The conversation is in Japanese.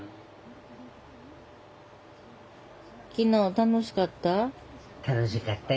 昨日楽しかった？